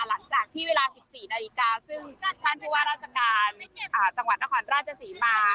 หลังจากที่เวลา๑๔นาฬิกาซึ่งท่านผู้ว่าราชการจังหวัดนครราชศรีมา